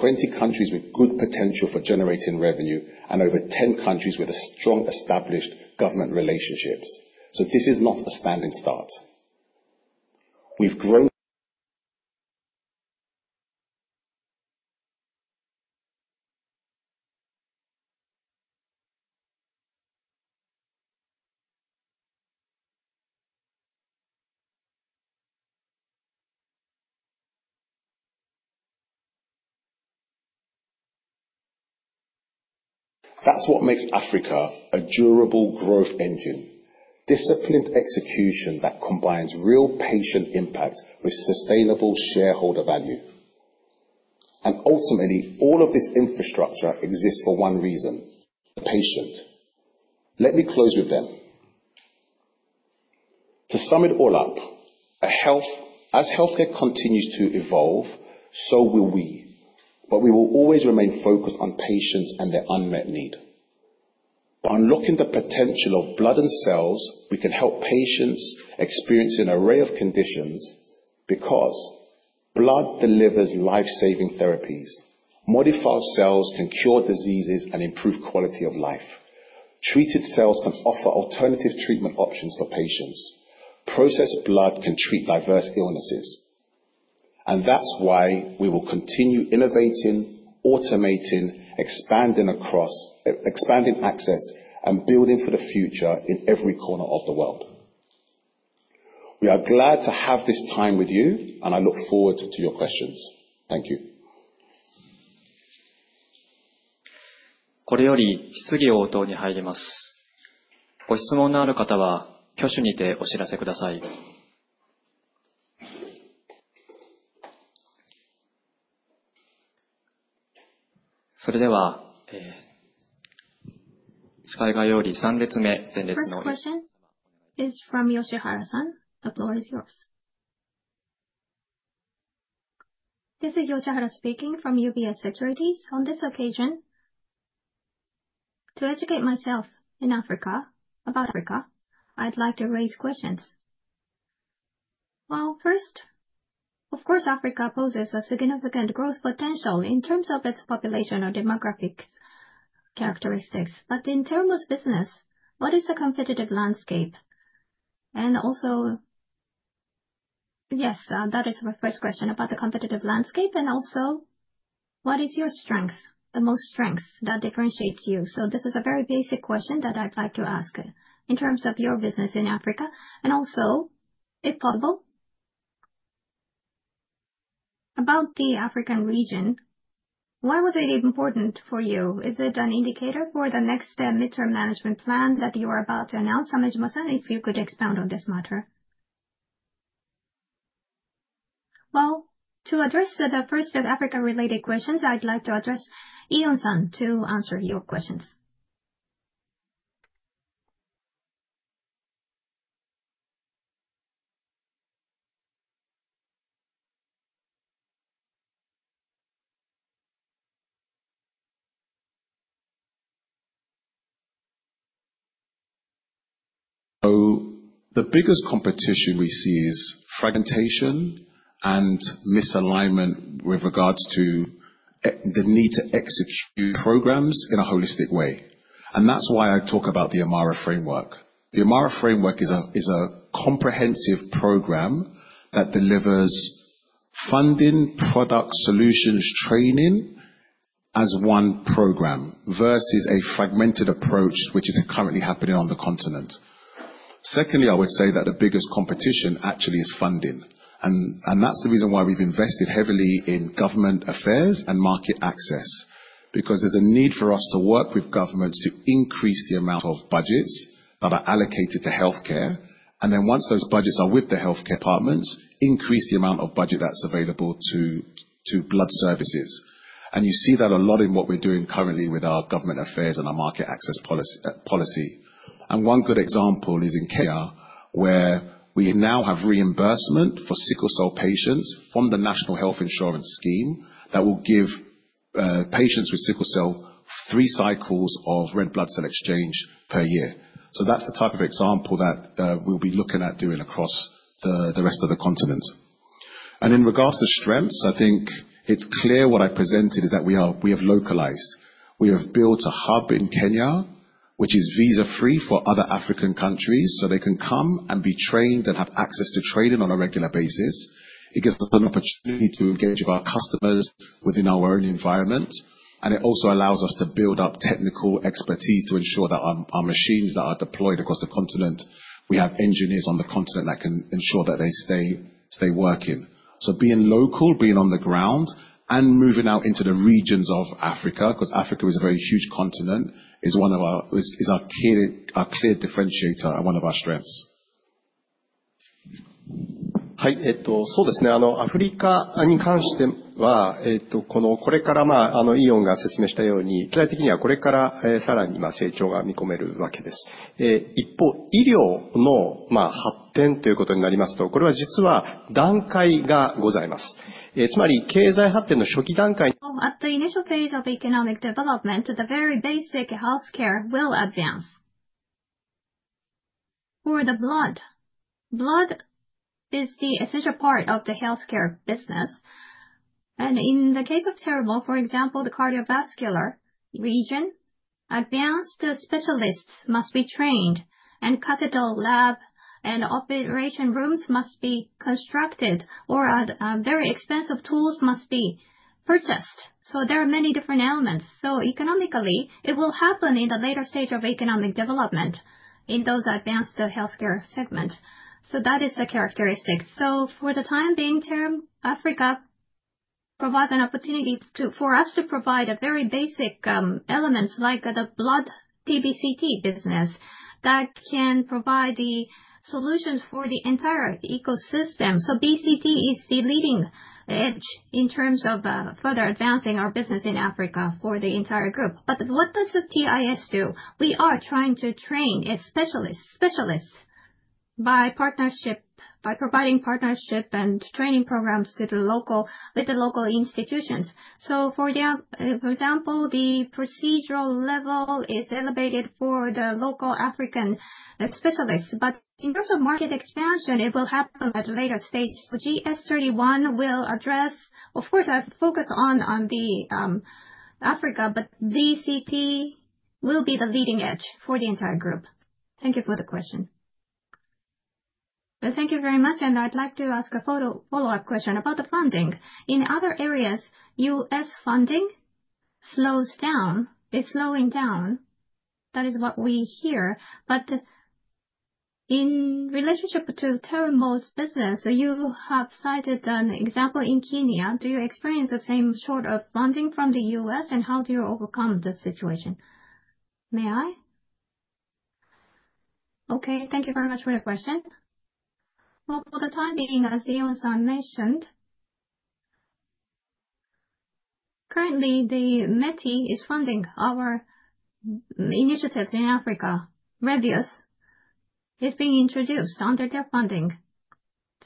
20 countries with good potential for generating revenue and over 10 countries with strong established government relationships. This is not a standing start. We've grown. That's what makes Africa a durable growth engine. Disciplined execution that combines real patient impact with sustainable shareholder value. Ultimately, all of this infrastructure exists for one reason, the patient. Let me close with them. To sum it all up, as healthcare continues to evolve, so will we, but we will always remain focused on patients and their unmet need. By unlocking the potential of blood and cells, we can help patients experience an array of conditions, because blood delivers life-saving therapies. Modified cells can cure diseases and improve quality of life. Treated cells can offer alternative treatment options for patients. Processed blood can treat diverse illnesses. That's why we will continue innovating, automating, expanding access, and building for the future in every corner of the world. We are glad to have this time with you, and I look forward to your questions. Thank you. First question is from Tomoko-san. The floor is yours. This is Tomoko speaking from UBS Securities. On this occasion, to educate myself about Africa, I'd like to raise questions. First, of course, Africa poses a significant growth potential in terms of its population or demographic characteristics. In terms of business, what is the competitive landscape? Yes, that is my first question about the competitive landscape. Also, what is your strength, the most strength that differentiates you? This is a very basic question that I'd like to ask in terms of your business in Africa. Also, if possible, about the African region, why was it important for you? Is it an indicator for the next midterm management plan that you are about to announce? Hamejima-san, if you could expound on this matter. To address the first of Africa-related questions, I'd like to address Ion-san to answer your questions. The biggest competition we see is fragmentation and misalignment with regards to the need to execute programs in a holistic way. That's why I talk about the Imara framework. The Imara framework is a comprehensive program that delivers funding, product solutions, training as one program versus a fragmented approach, which is currently happening on the continent. Secondly, I would say that the biggest competition actually is funding. That's the reason why we've invested heavily in government affairs and market access, because there's a need for us to work with governments to increase the amount of budgets that are allocated to healthcare. Then once those budgets are with the healthcare departments, increase the amount of budget that's available to blood services. You see that a lot in what we're doing currently with our government affairs and our market access policy. One good example is in Kenya, where we now have reimbursement for sickle cell patients from the National Health Insurance Scheme that will give patients with sickle cell three cycles of red blood cell exchange per year. That's the type of example that we'll be looking at doing across the rest of the continent. In regards to strengths, I think it's clear what I presented is that we have localized. We have built a hub in Kenya, which is visa-free for other African countries, so they can come and be trained and have access to training on a regular basis. It gives us an opportunity to engage with our customers within our own environment, it also allows us to build up technical expertise to ensure that our machines that are deployed across the continent, we have engineers on the continent that can ensure that they stay working. Being local, being on the ground moving out into the regions of Africa, because Africa is a very huge continent, is our clear differentiator and one of our strengths. At the initial phase of economic development, the very basic healthcare will advance. Blood is the essential part of the healthcare business. In the case of Terumo, for example, the cardiovascular region, advanced specialists must be trained, and catheter lab and operation rooms must be constructed, or very expensive tools must be purchased. There are many different elements. Economically, it will happen in the later stage of economic development in those advanced healthcare segments. That is the characteristic. For the time being, Terumo, Africa provides an opportunity for us to provide very basic elements like the blood BCT business that can provide the solutions for the entire ecosystem. BCT is the leading edge in terms of further advancing our business in Africa for the entire group. What does this TIS do? We are trying to train specialists by providing partnership and training programs with the local institutions. For example, the procedural level is elevated for the local African specialists. In terms of market expansion, it will happen at a later stage. GS31 will address, of course, our focus on Africa, but BCT will be the leading edge for the entire group. Thank you for the question. Thank you very much. I'd like to ask a follow-up question about the funding. In other areas, U.S. funding is slowing down. That is what we hear. In relationship to Terumo's business, you have cited an example in Kenya. Do you experience the same sort of funding from the U.S., and how do you overcome this situation? May I? Thank you very much for the question. For the time being, as Yo-san mentioned, currently, METI is funding our initiatives in Africa. Medius is being introduced under their funding.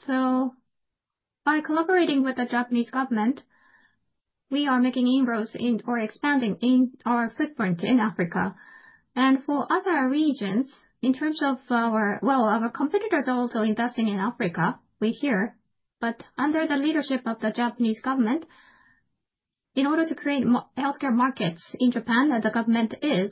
By collaborating with the Japanese government, we are making inroads or expanding our footprint in Africa. For other regions, in terms of our competitors are also investing in Africa, we hear. Under the leadership of the Japanese government, in order to create healthcare markets in Japan, the government is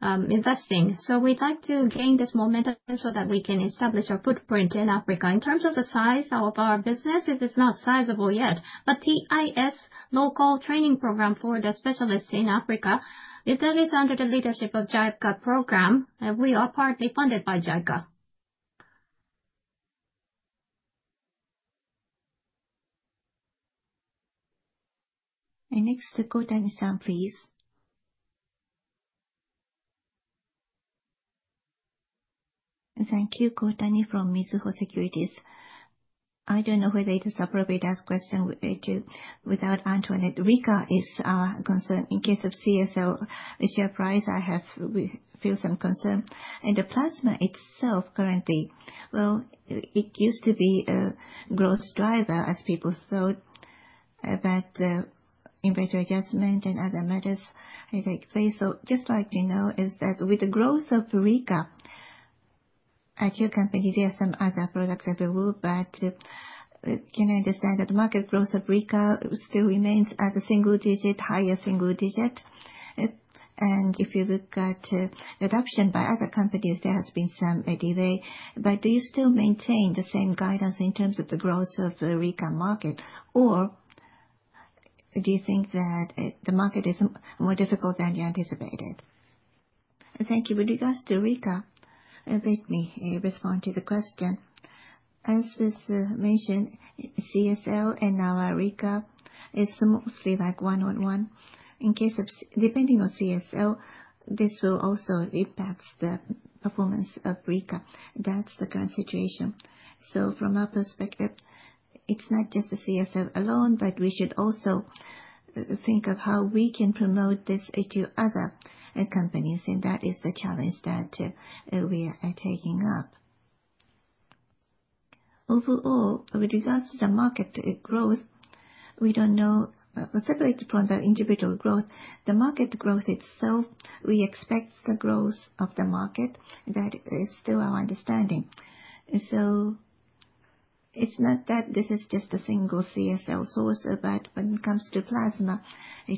investing. We'd like to gain this momentum so that we can establish a footprint in Africa. In terms of the size of our business, it is not sizable yet. TIS local training program for the specialists in Africa, that is under the leadership of JICA program, and we are partly funded by JICA. Next, Kotani-san, please. Thank you. Kotani from Mizuho Securities. I don't know whether it is appropriate to ask question without Antoinette. Rika is our concern. In case of CSL, the share price, we feel some concern. The plasma itself, currently, it used to be a growth driver as people thought, but inventory adjustment and other matters take place. Just like we know is that with the growth of Rika at your company, there are some other products as a group, but can I understand that the market growth of Rika still remains at a higher single digit? If you look at adoption by other companies, there has been some delay. Do you still maintain the same guidance in terms of the growth of the Rika market, or do you think that the market is more difficult than you anticipated? Thank you. With regards to RECA, let me respond to the question. As was mentioned, CSL and our RECA is mostly like one-on-one. Depending on CSL, this will also impact the performance of RECA. That's the current situation. From our perspective, it's not just the CSL alone, but we should also think of how we can promote this to other companies, and that is the challenge that we are taking up. Overall, with regards to the market growth, we don't know. Separately from the individual growth, the market growth itself, we expect the growth of the market. That is still our understanding. It's not that this is just a single CSL source, but when it comes to plasma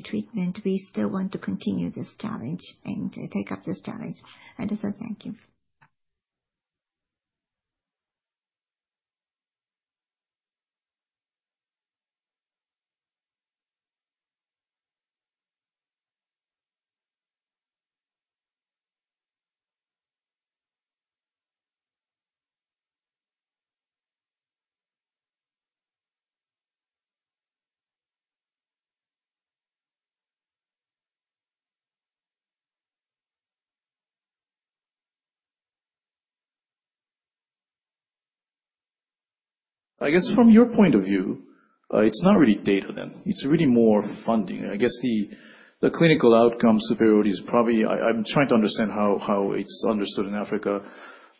treatment, we still want to continue this challenge and take up this challenge. That is all. Thank you. I guess from your point of view, it's not really data then. It's really more funding. I guess the clinical outcome superiority is probably. I'm trying to understand how it's understood in Africa.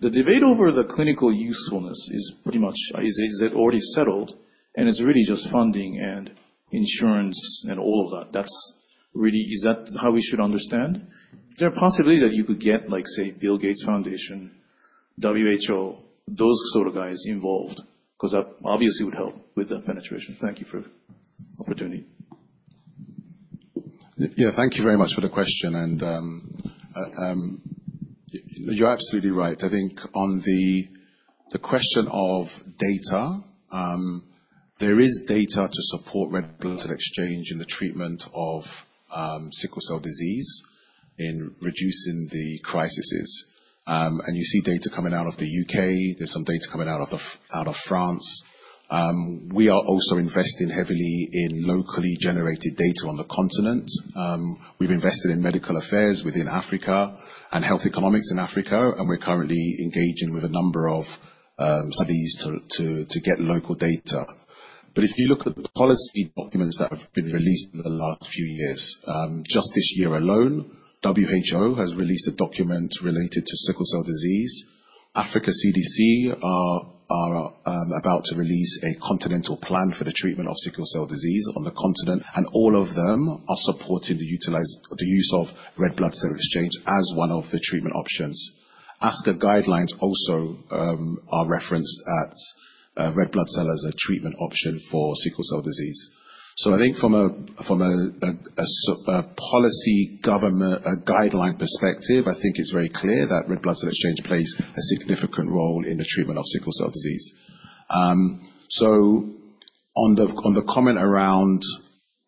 The debate over the clinical usefulness is pretty much, is it already settled? It's really just funding and insurance and all of that. Is that how we should understand? Is there a possibility that you could get like, say, Bill Gates Foundation, WHO, those sort of guys involved? That obviously would help with the penetration. Thank you for the opportunity. Thank you very much for the question. You're absolutely right. I think on the question of data, there is data to support red blood cell exchange in the treatment of sickle cell disease in reducing the crises. You see data coming out of the U.K. There's some data coming out of France. We are also investing heavily in locally generated data on the continent. We've invested in medical affairs within Africa and health economics in Africa. We're currently engaging with a number of studies to get local data. If you look at the policy documents that have been released over the last few years, just this year alone, WHO has released a document related to sickle cell disease. Africa CDC are about to release a continental plan for the treatment of sickle cell disease on the continent, and all of them are supporting the use of red blood cell exchange as one of the treatment options. ASH guidelines also are referenced at red blood cell as a treatment option for sickle cell disease. I think from a policy government, a guideline perspective, I think it's very clear that red blood cell exchange plays a significant role in the treatment of sickle cell disease. On the comment around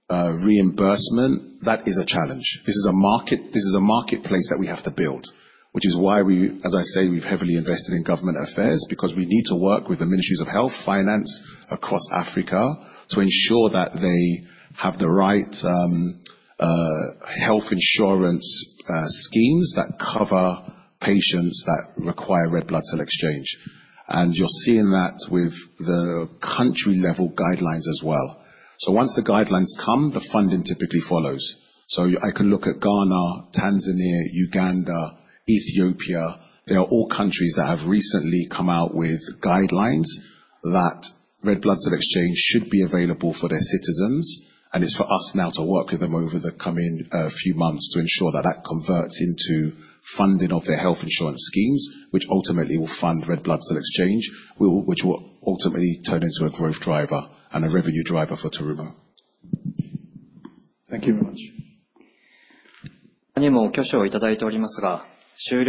reimbursement, that is a challenge. This is a marketplace that we have to build, which is why we, as I say, we've heavily invested in government affairs because we need to work with the ministries of health finance across Africa to ensure that they have the right health insurance schemes that cover patients that require red blood cell exchange. You're seeing that with the country-level guidelines as well. Once the guidelines come, the funding typically follows. I can look at Ghana, Tanzania, Uganda, Ethiopia. They are all countries that have recently come out with guidelines that red blood cell exchange should be available for their citizens, and it's for us now to work with them over the coming few months to ensure that that converts into funding of their health insurance schemes, which ultimately will fund red blood cell exchange, which will ultimately turn into a growth driver and a revenue driver for Terumo. Thank you very much. The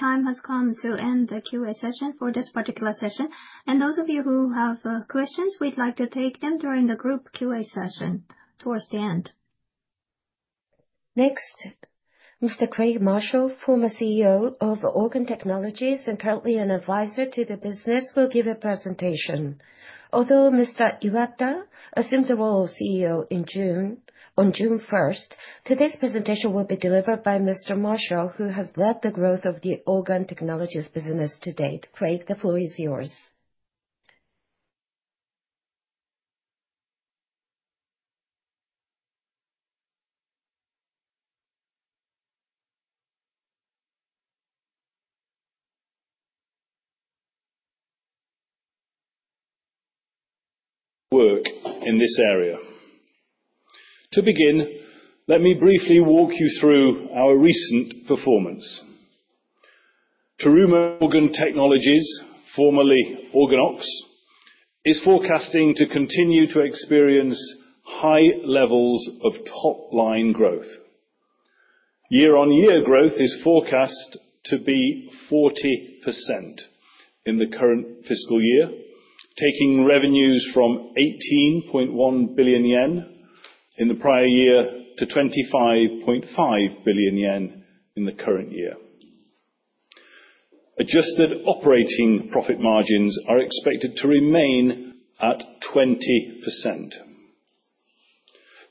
time has come to end the QA session for this particular session. Those of you who have questions, we'd like to take them during the group QA session towards the end. Next, Mr. Craig Marshall, former CEO of Organ Technologies and currently an advisor to the business, will give a presentation. Although Mr. Iwata assumed the role of CEO on June 1st, today's presentation will be delivered by Mr. Marshall, who has led the growth of the Organ Technologies business to date. Craig, the floor is yours. Work in this area. To begin, let me briefly walk you through our recent performance. Terumo Organ Technologies, formerly OrganOx, is forecasting to continue to experience high levels of top-line growth. Year-on-year growth is forecast to be 40% in the current fiscal year, taking revenues from 18.1 billion yen in the prior year to 25.5 billion yen in the current year. Adjusted operating profit margins are expected to remain at 20%.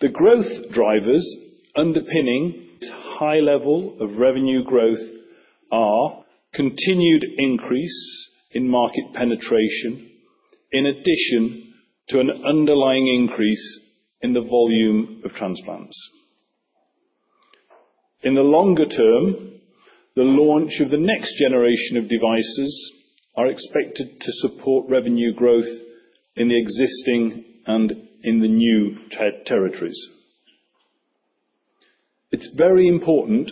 The growth drivers underpinning this high level of revenue growth are continued increase in market penetration, in addition to an underlying increase in the volume of transplants. In the longer term, the launch of the next generation of devices are expected to support revenue growth in the existing and in the new territories. It's very important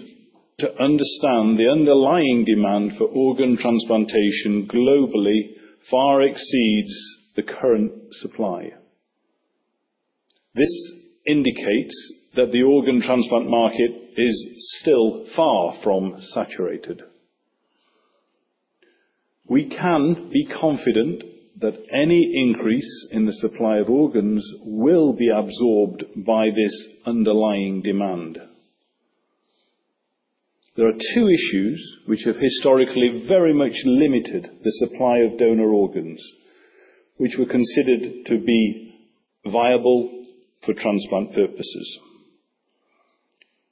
to understand the underlying demand for organ transplantation globally far exceeds the current supply. This indicates that the organ transplant market is still far from saturated. We can be confident that any increase in the supply of organs will be absorbed by this underlying demand. There are two issues which have historically very much limited the supply of donor organs, which were considered to be viable for transplant purposes.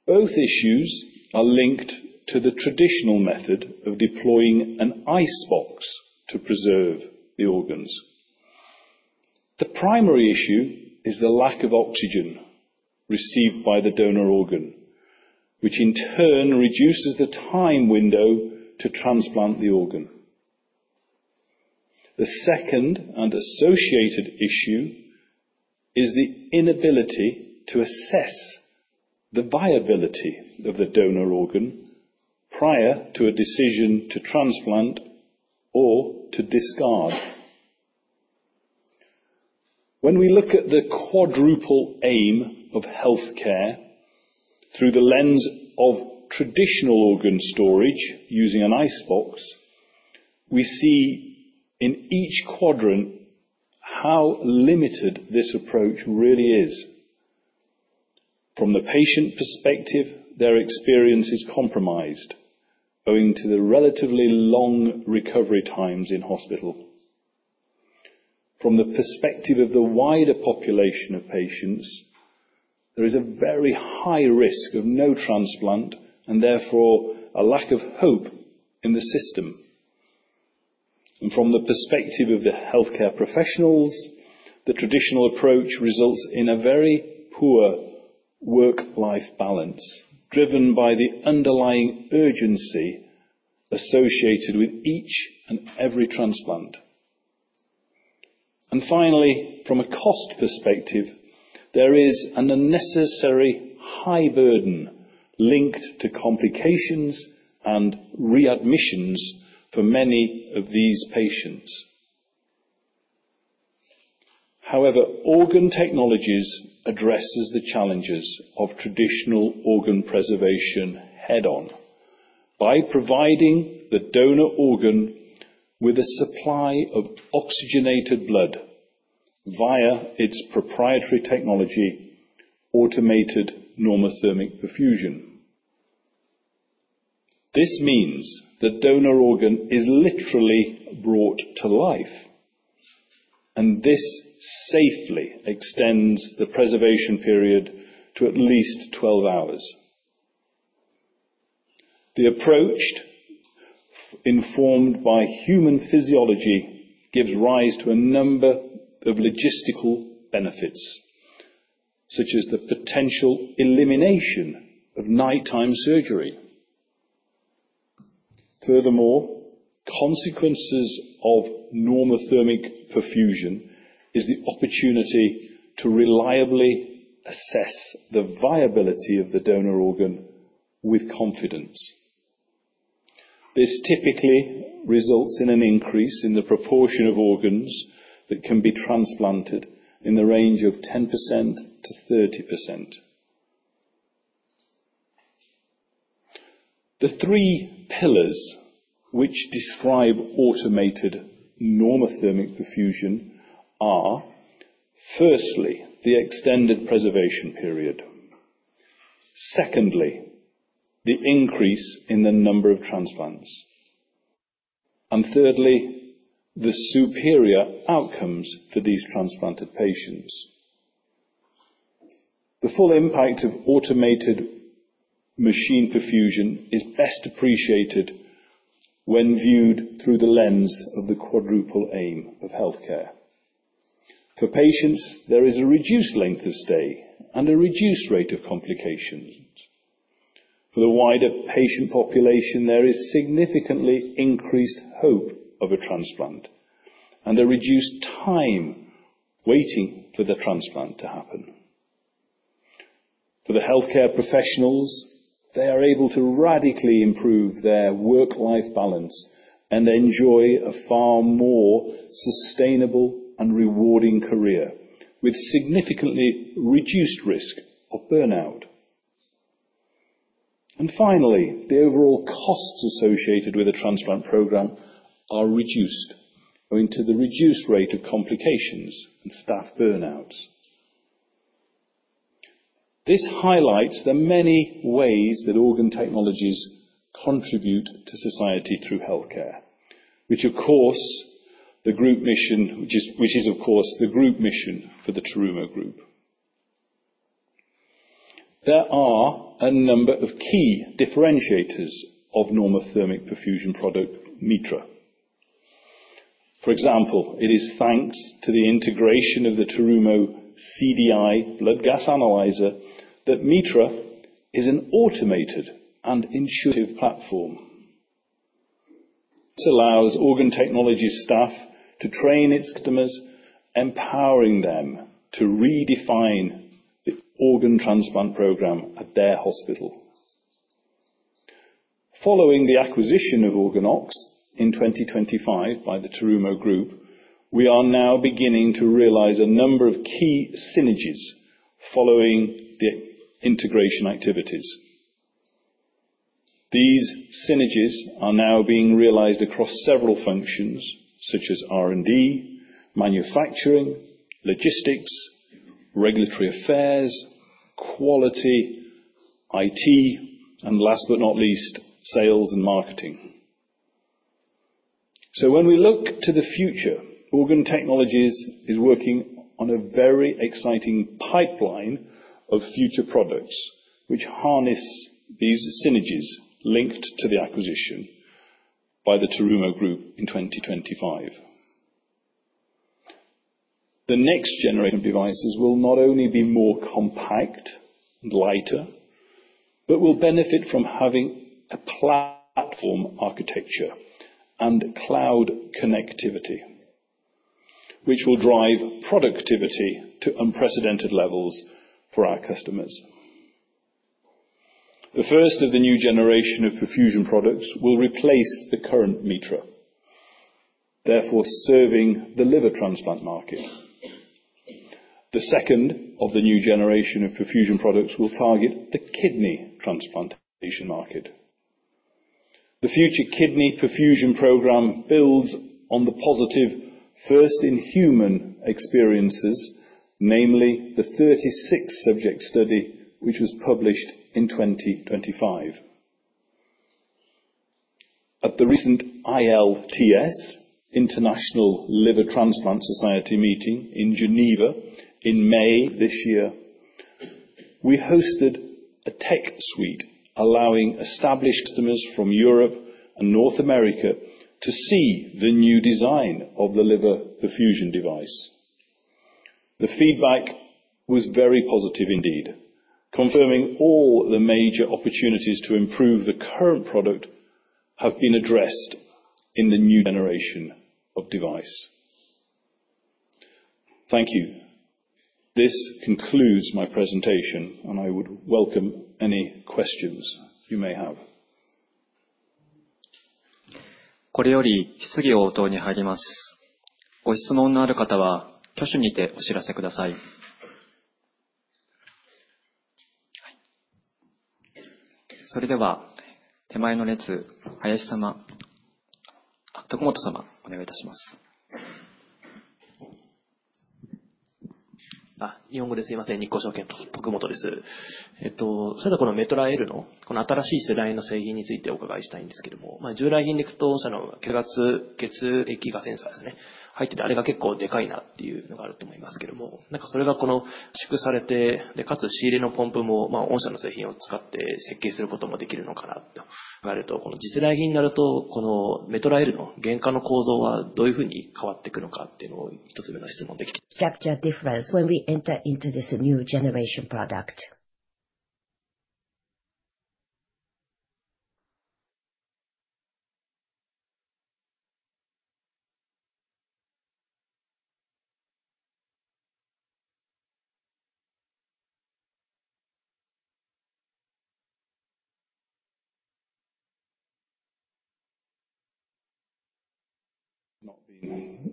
Both issues are linked to the traditional method of deploying an icebox to preserve the organs. The primary issue is the lack of oxygen received by the donor organ, which in turn reduces the time window to transplant the organ. The second and associated issue is the inability to assess the viability of the donor organ prior to a decision to transplant or to discard. When we look at the quadruple aim of healthcare through the lens of traditional organ storage using an icebox, we see in each quadrant how limited this approach really is. From the patient perspective, their experience is compromised owing to the relatively long recovery times in hospital. From the perspective of the wider population of patients, there is a very high risk of no transplant and therefore a lack of hope in the system. From the perspective of the healthcare professionals, the traditional approach results in a very poor work-life balance, driven by the underlying urgency associated with each and every transplant. Finally, from a cost perspective, there is an unnecessary high burden linked to complications and readmissions for many of these patients. However, Organ Technologies addresses the challenges of traditional organ preservation head-on by providing the donor organ with a supply of oxygenated blood via its proprietary technology, automated normothermic machine perfusion. This means the donor organ is literally brought to life, and this safely extends the preservation period to at least 12 hours. The approach, informed by human physiology, gives rise to a number of logistical benefits, such as the potential elimination of nighttime surgery. Furthermore, consequences of normothermic machine perfusion is the opportunity to reliably assess the viability of the donor organ with confidence. This typically results in an increase in the proportion of organs that can be transplanted in the range of 10%-30%. The three pillars which describe automated normothermic machine perfusion are, firstly, the extended preservation period, secondly, the increase in the number of transplants, and thirdly, the superior outcomes for these transplanted patients. The full impact of automated machine perfusion is best appreciated when viewed through the lens of the quadruple aim of healthcare. For patients, there is a reduced length of stay and a reduced rate of complications. For the wider patient population, there is significantly increased hope of a transplant and a reduced time waiting for the transplant to happen. For the healthcare professionals, they are able to radically improve their work-life balance and enjoy a far more sustainable and rewarding career with significantly reduced risk of burnout. Finally, the overall costs associated with a transplant program are reduced, owing to the reduced rate of complications and staff burnouts. This highlights the many ways that Organ Technologies contribute to society through healthcare, which is of course the group mission for the Terumo Group. There are a number of key differentiators of normothermic machine perfusion product metra. For example, it is thanks to the integration of the Terumo CDI blood gas analyzer that metra is an automated and intuitive platform. This allows Organ Technologies staff to train its customers, empowering them to redefine the organ transplant program at their hospital. Following the acquisition of OrganOx in 2025 by the Terumo Group, we are now beginning to realize a number of key synergies following the integration activities. These synergies are now being realized across several functions such as R&D, manufacturing, logistics, regulatory affairs, quality, IT, and last but not least, sales and marketing. When we look to the future, Organ Technologies is working on a very exciting pipeline of future products which harness these synergies linked to the acquisition by the Terumo Group in 2025. The next generation of devices will not only be more compact and lighter, but will benefit from having a platform architecture and cloud connectivity, which will drive productivity to unprecedented levels for our customers. The first of the new generation of perfusion products will replace the current metra, therefore serving the liver transplant market. The second of the new generation of perfusion products will target the kidney transplantation market. The future kidney perfusion program builds on the positive first in human experiences, namely the 36 subject study, which was published in 2025. At the recent ILTS, International Liver Transplantation Society meeting in Geneva in May this year, we hosted a tech suite allowing established customers from Europe and North America to see the new design of the liver perfusion device. The feedback was very positive indeed, confirming all the major opportunities to improve the current product have been addressed in the new generation of device. Thank you. This concludes my presentation, I would welcome any questions you may have. Capture difference when we enter into this new generation product.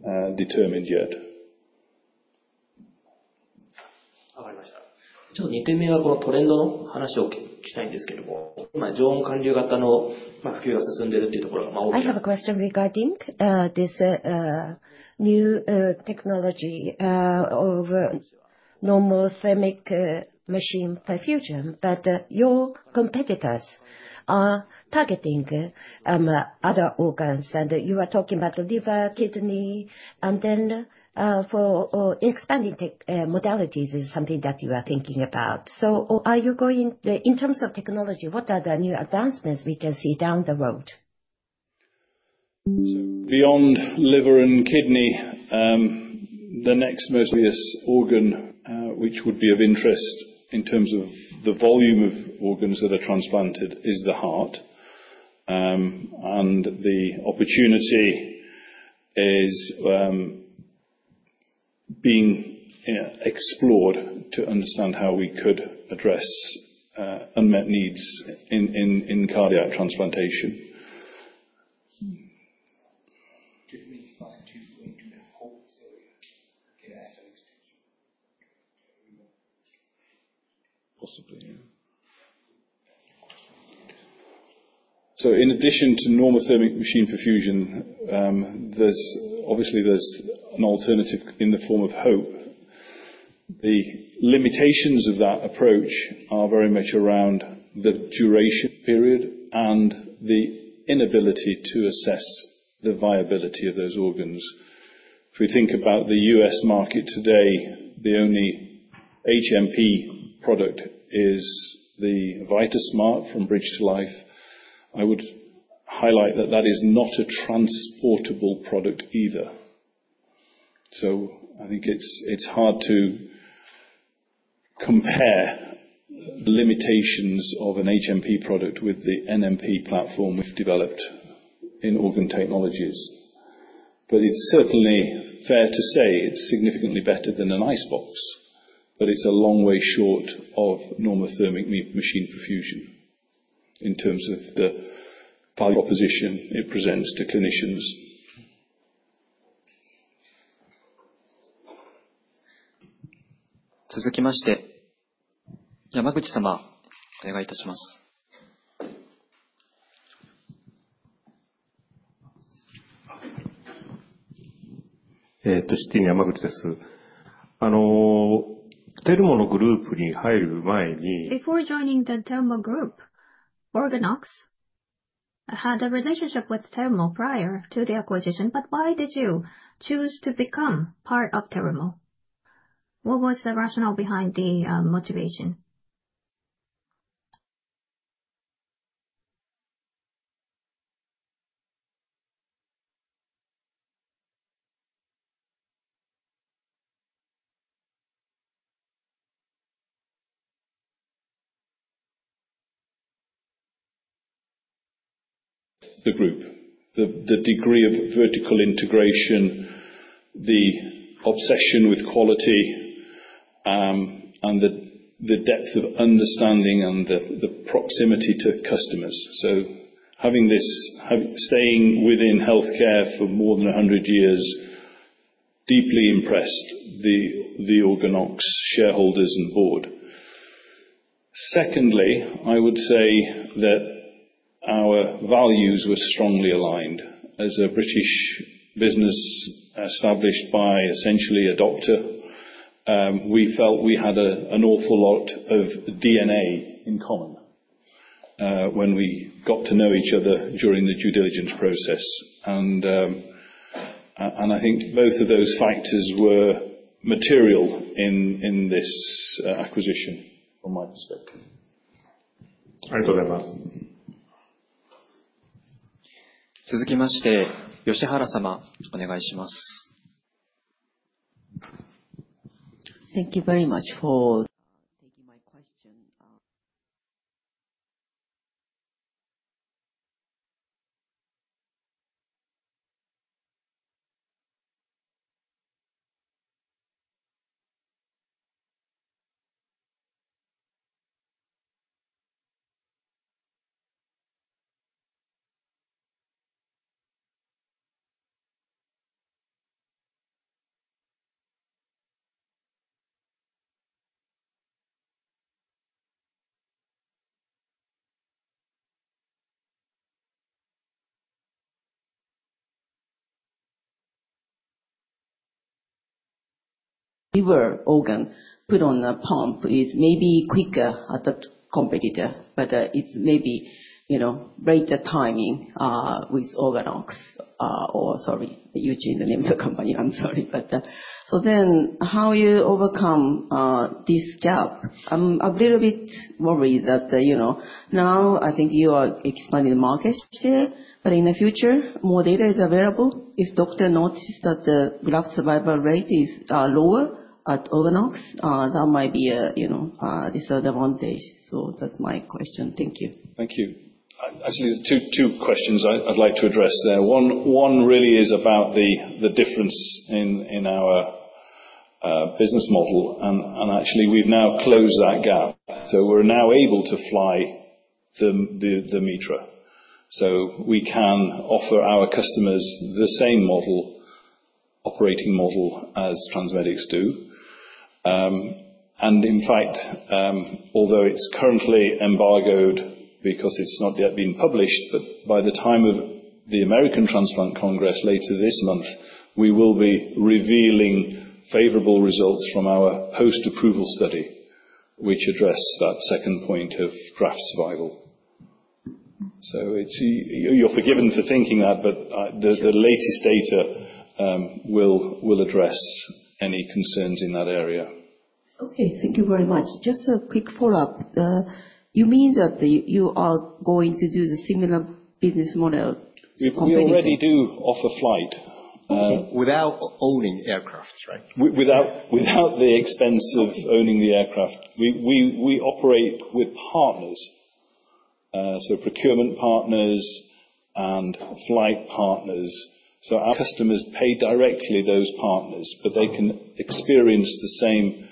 Not been determined yet. I have a question regarding this new technology of normothermic machine perfusion, your competitors are targeting other organs, and you are talking about liver, kidney, and then expanding modalities is something that you are thinking about. In terms of technology, what are the new advancements we can see down the road? Beyond liver and kidney, the next most obvious organ, which would be of interest in terms of the volume of organs that are transplanted is the heart. The opportunity is being explored to understand how we could address unmet needs in cardiac transplantation. Possibly, yeah. In addition to normothermic machine perfusion, obviously, there's an alternative in the form of HMP. The limitations of that approach are very much around the duration period and the inability to assess the viability of those organs. If we think about the U.S. market today, the only HMP product is the LifePort from Bridge to Life. I would highlight that is not a transportable product either. I think it's hard to compare the limitations of an HMP product with the NMP platform we've developed in Organ Technologies. It's certainly fair to say it's significantly better than an ice box, but it's a long way short of normothermic machine perfusion in terms of the value proposition it presents to clinicians. Before joining the Terumo Group, OrganOx had a relationship with Terumo prior to the acquisition. Why did you choose to become part of Terumo? What was the rationale behind the motivation? The group. The degree of vertical integration, the obsession with quality, and the depth of understanding and the proximity to customers. Staying within healthcare for more than 100 years deeply impressed the OrganOx shareholders and board. Secondly, I would say that our values were strongly aligned. As a British business established by essentially a doctor, we felt we had an awful lot of DNA in common when we got to know each other during the due diligence process. I think both of those factors were material in this acquisition, from my perspective. Thank you very much for taking my question. Liver organ put on a pump is maybe quicker as a competitor, but it's maybe greater timing, with OrganOx or, sorry, using the name of the company. I'm sorry. How you overcome this gap? I'm a little bit worried that now I think you are expanding the market share, but in the future more data is available. If doctor notes that the graft survival rate is lower at OrganOx, that might be a disadvantage. That's my question. Thank you. Thank you. Actually, there's two questions I'd like to address there. One really is about the difference in our business model, actually we've now closed that gap. We're now able to fly the metra. We can offer our customers the same operating model as TransMedics do. In fact, although it's currently embargoed because it's not yet been published, by the time of the American Transplant Congress later this month, we will be revealing favorable results from our post-approval study, which address that second point of graft survival. You're forgiven for thinking that, the latest data will address any concerns in that area. Okay. Thank you very much. Just a quick follow-up. You mean that you are going to do the similar business model of anything? We already do offer flight. Without owning aircraft, right? Without the expense of owning the aircraft. We operate with partners. Procurement partners and flight partners. Our customers pay directly those partners, but they can experience the same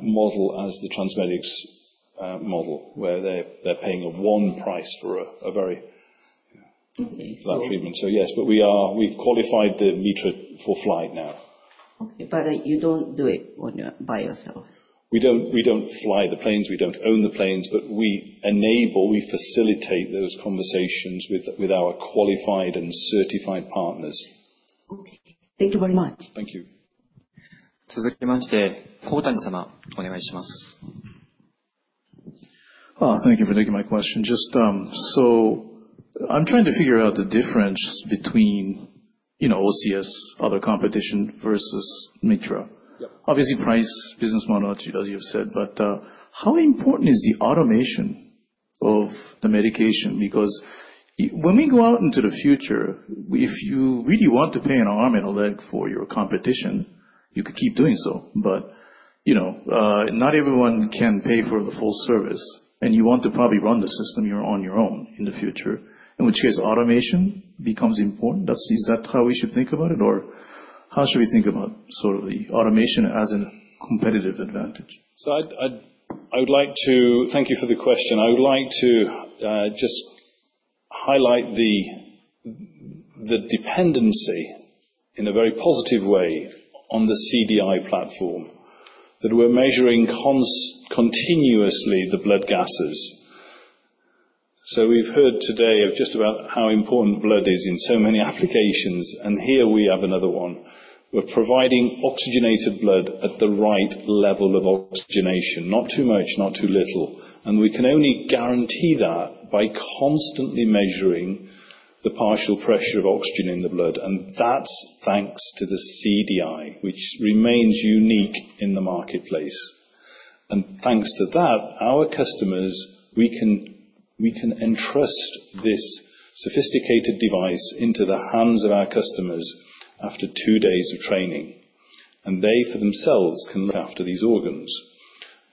model as the TransMedics model, where they're paying one price for a very flat payment. Yes, we've qualified the metra for flight now. Okay, you don't do it by yourself. We don't fly the planes. We don't own the planes, we enable, we facilitate those conversations with our qualified and certified partners. Okay. Thank you very much. Thank you. Thank you for taking my question. I'm trying to figure out the difference between OCS, other competition versus metra. Yeah. Obviously, price, business model, as you have said. How important is the automation of the medication? When we go out into the future, if you really want to pay an arm and a leg for your competition, you could keep doing so. Not everyone can pay for the full service, and you want to probably run the system on your own in the future. In which case, automation becomes important. Is that how we should think about it? How should we think about the automation as a competitive advantage? Thank you for the question. I would like to just highlight the dependency in a very positive way on the CDI platform. We're measuring continuously the blood gases. We've heard today of just about how important blood is in so many applications, and here we have another one. We're providing oxygenated blood at the right level of oxygenation. Not too much, not too little. We can only guarantee that by constantly measuring the partial pressure of oxygen in the blood. That's thanks to the CDI, which remains unique in the marketplace. Thanks to that, our customers, we can entrust this sophisticated device into the hands of our customers after two days of training. They for themselves can look after these organs.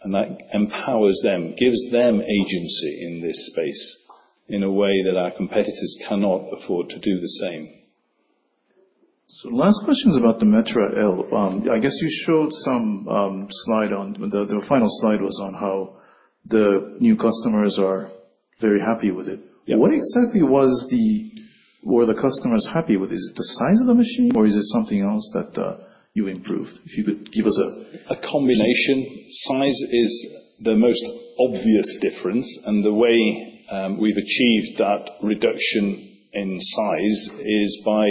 That empowers them, gives them agency in this space in a way that our competitors cannot afford to do the same. Last question is about the metra L. I guess you showed some slide. The final slide was on how the new customers are very happy with it. Yeah. What exactly were the customers happy with? Is it the size of the machine, or is it something else that you improved? If you could give us a- A combination. The way we've achieved that reduction in size is by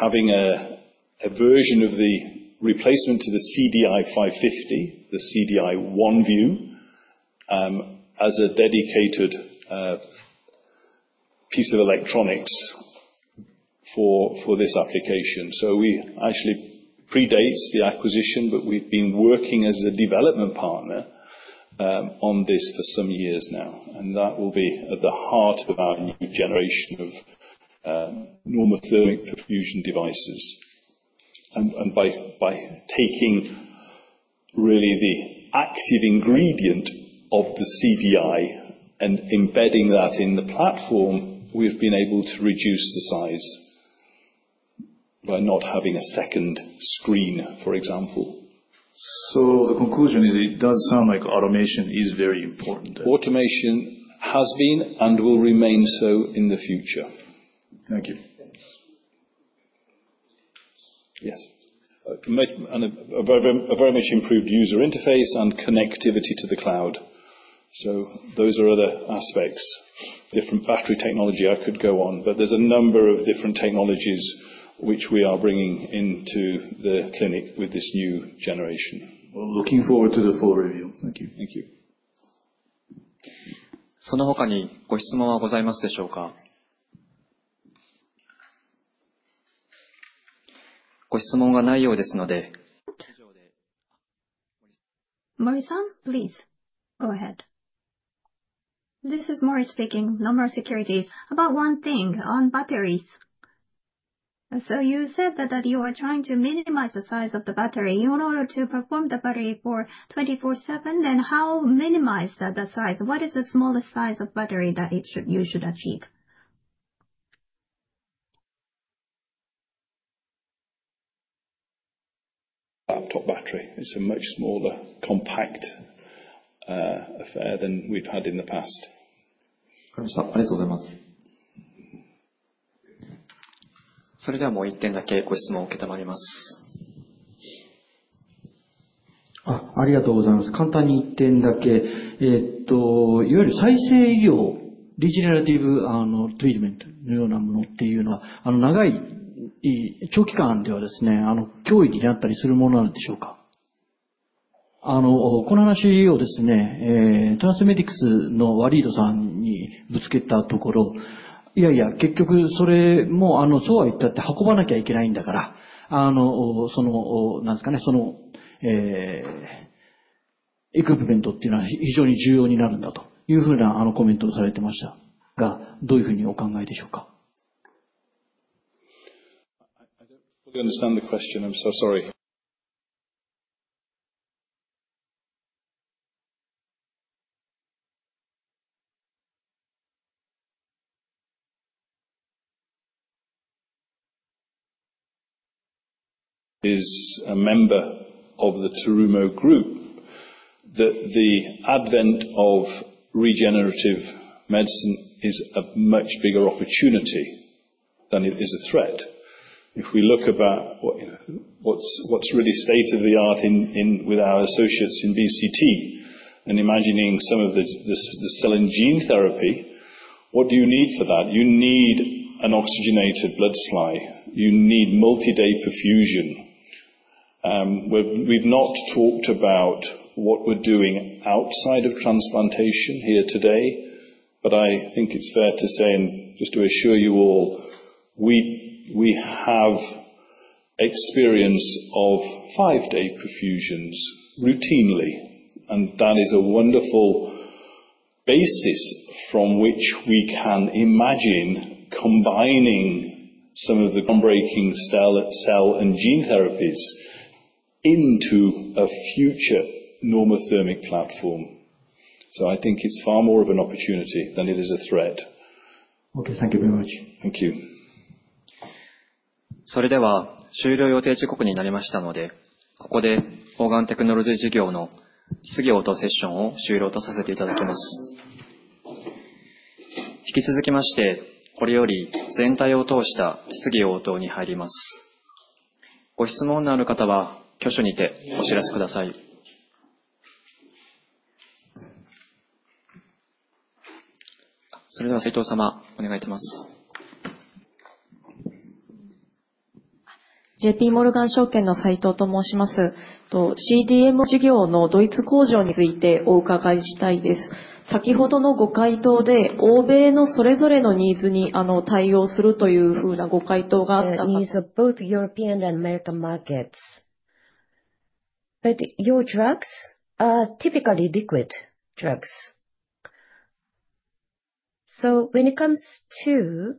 having a version of the replacement to the CDI 550, the CDI OneView, as a dedicated piece of electronics for this application. It actually predates the acquisition, but we've been working as a development partner on this for some years now, and that will be at the heart of our new generation of normothermic perfusion devices. By taking really the active ingredient of the CDI and embedding that in the platform, we've been able to reduce the size by not having a second screen, for example. The conclusion is it does sound like automation is very important. Automation has been and will remain so in the future. Thank you. Yes. A very much improved user interface and connectivity to the cloud. Those are other aspects. Different battery technology. I could go on, but there's a number of different technologies which we are bringing into the clinic with this new generation. Well, looking forward to the full reveal. Thank you. Thank you. Mori, please. Go ahead. This is Mori speaking, Nomura Securities. About one thing on batteries. You said that you are trying to minimize the size of the battery in order to perform the battery for 24 seven. How minimize the size? What is the smallest size of battery that you should achieve? Laptop battery. It's a much smaller, compact affair than we've had in the past. I don't fully understand the question. I'm so sorry. Is a member of the Terumo Group, that the advent of regenerative medicine is a much bigger opportunity than it is a threat. If we look about what's really state-of-the-art with our associates in BCT and imagining some of the cell and gene therapy, what do you need for that? You need an oxygenated blood slide. You need multi-day perfusion. We've not talked about what we're doing outside of transplantation here today, but I think it's fair to say and just to assure you all, we have experience of five-day perfusions routinely, and that is a wonderful basis from which we can imagine combining some of the groundbreaking cell and gene therapies into a future normothermic platform. I think it's far more of an opportunity than it is a threat. Okay. Thank you very much. Thank you. J.P. Morgan Securities, Saito speaking. I would like to ask about the CDMO business German plant. In your previous answer, you mentioned that you will respond to the needs of both Europe and the U.S. The needs of both European and American markets. Your drugs are typically liquid drugs. When it comes to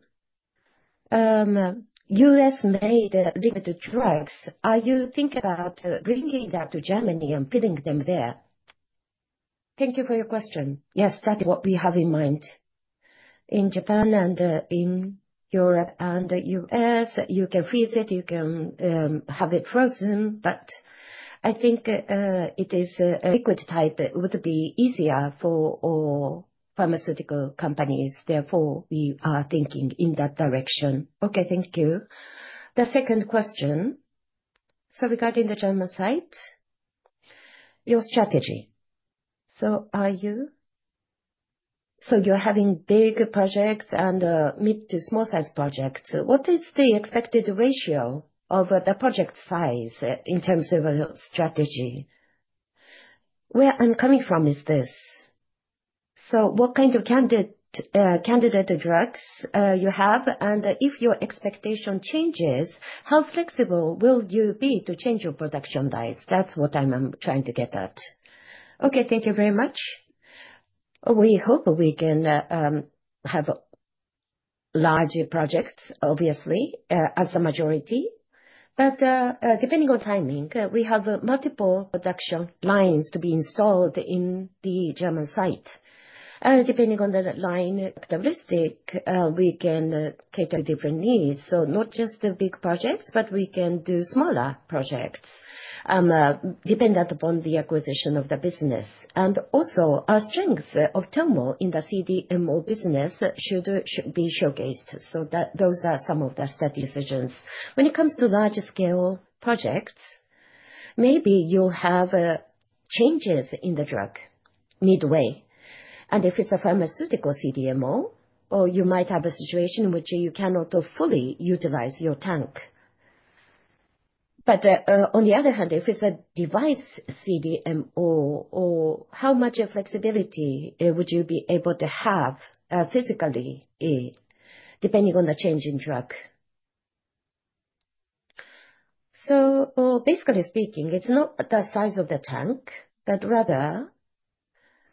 U.S.-made liquid drugs, are you thinking about bringing that to Germany and filling them there? Thank you for your question. Yes, that's what we have in mind. In Japan and in Europe and the U.S., you can freeze it, you can have it frozen. I think liquid type would be easier for all pharmaceutical companies. Therefore, we are thinking in that direction. Okay. Thank you. The second question, regarding the German site, your strategy. You're having big projects and mid-to-small size projects. What is the expected ratio of the project size in terms of strategy? Where I'm coming from is this. What kind of candidate drugs you have, and if your expectation changes, how flexible will you be to change your production lines? That's what I'm trying to get at. Okay. Thank you very much. We HMP, we can have larger projects, obviously, as a majority. Depending on timing, we have multiple production lines to be installed in the German site. Depending on the line characteristic, we can cater to different needs. Not just the big projects, but we can do smaller projects, dependent upon the acquisition of the business. Also, our strengths of Terumo in the CDMO business should be showcased. Those are some of the strategic decisions. When it comes to larger-scale projects, maybe you'll have changes in the drug midway, and if it's a pharmaceutical CDMO, or you might have a situation in which you cannot fully utilize your tank. On the other hand, if it's a device CDMO, or how much flexibility would you be able to have physically, depending on the change in drug? Basically speaking, it's not the size of the tank, but rather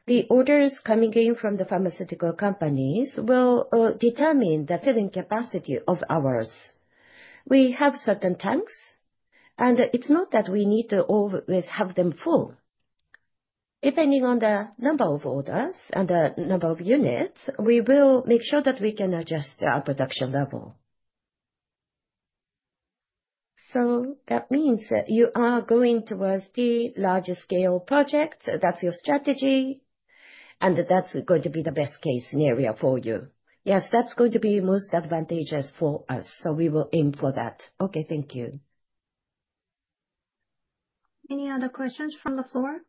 the orders coming in from the pharmaceutical companies will determine the filling capacity of ours. We have certain tanks, and it's not that we need to always have them full. Depending on the number of orders and the number of units, we will make sure that we can adjust our production level. That means that you are going towards the larger-scale projects, that's your strategy, and that's going to be the best case scenario for you? Yes, that's going to be most advantageous for us. We will aim for that. Okay. Thank you. Any other questions from the floor?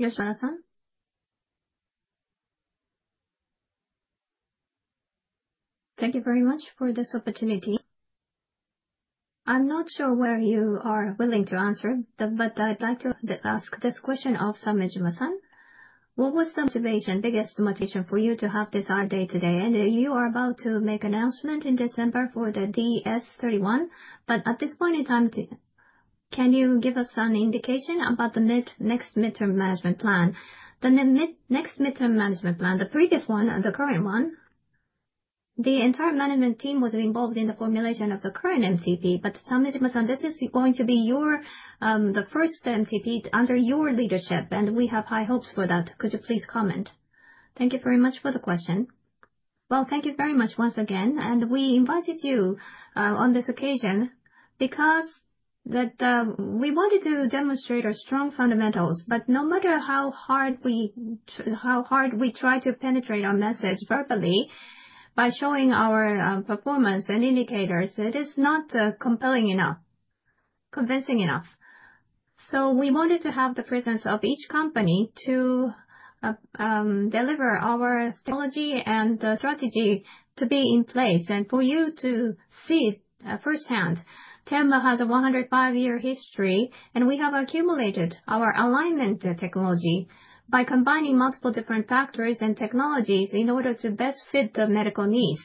Yoshana-san? Thank you very much for this opportunity. I am not sure whether you are willing to answer, but I would like to ask this question of Sanemitsu-san. What was the biggest motivation for you to have this IR day today? You are about to make announcement in December for the GS31, but at this point in time, can you give us an indication about the next midterm management plan? The next midterm management plan, the previous one and the current one, the entire management team was involved in the formulation of the current MTP. Sanemitsu-san, this is going to be the first MTP under your leadership, and we have high hopes for that. Could you please comment? Thank you very much for the question. Thank you very much once again, we invited you on this occasion because we wanted to demonstrate our strong fundamentals. No matter how hard we try to penetrate our message verbally by showing our performance and indicators, it is not compelling enough, convincing enough. We wanted to have the presence of each company to deliver our technology and the strategy to be in place and for you to see firsthand. Terumo has a 105-year history. We have accumulated our alignment technology by combining multiple different factors and technologies in order to best fit the medical needs.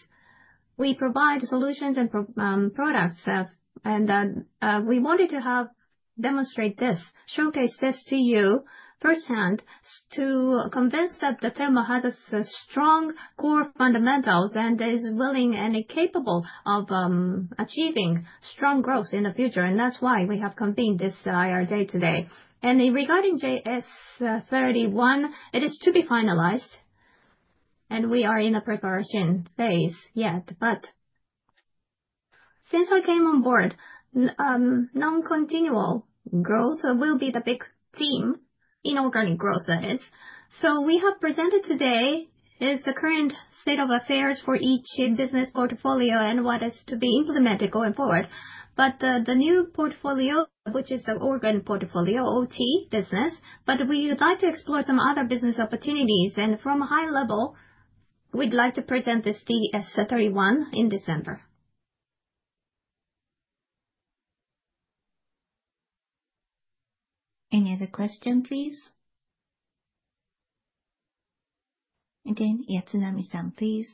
We provide solutions and products. We wanted to demonstrate this, showcase this to you firsthand to convince that Terumo has strong core fundamentals and is willing and capable of achieving strong growth in the future. That's why we have convened this IR day today. Regarding GS31, it is to be finalized. We are in a preparation phase yet. Since I came on board, non-organic growth will be the big theme in organic growth, that is. We have presented today is the current state of affairs for each business portfolio and what is to be implemented going forward. The new portfolio, which is the organic portfolio, OT business. We would like to explore some other business opportunities, and from a high level, we would like to present this GS31 in December. Any other question, please? Again, Yatsunami-san, please.